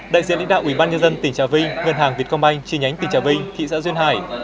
đại diện lãnh đạo ủy ban nhân dân tỉnh trà vinh ngân hàng việt công banh chi nhánh tỉnh trà vinh thị xã duyên hải